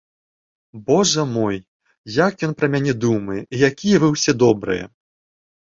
Божа мой, як ён пра мяне думае і якія вы ўсе добрыя!